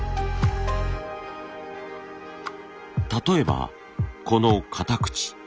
例えばこの片口。